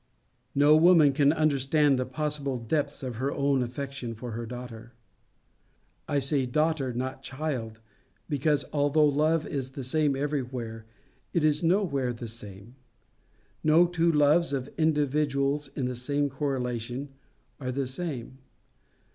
No woman can understand the possible depths of her own affection for her daughter. I say daughter, not child, because although love is the same everywhere, it is nowhere the same. No two loves of individuals in the same correlation are the same.